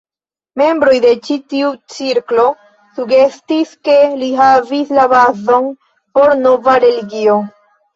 Membroj de ĉi tiu cirklo sugestis ke li havis la bazon por nova religio.